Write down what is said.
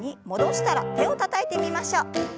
戻したら手をたたいてみましょう。